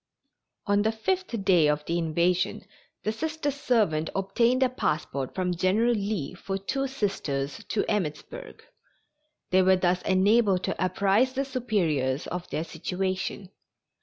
On the fifth day of the invasion the Sister servant obtained a passport from General Lee for two Sisters to Emmittsburg. They were thus enabled to apprise the Superiors of their situation.